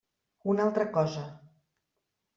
Una altra cosa.